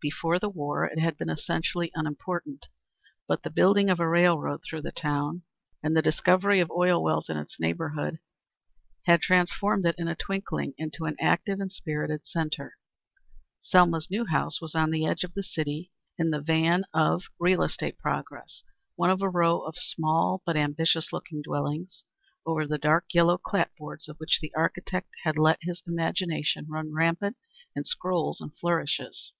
Before the war it had been essentially unimportant. But the building of a railroad through the town and the discovery of oil wells in its neighborhood had transformed it in a twinkling into an active and spirited centre. Selma's new house was on the edge of the city, in the van of real estate progress, one of a row of small but ambitious looking dwellings, over the dark yellow clapboards of which the architect had let his imagination run rampant in scrolls and flourishes.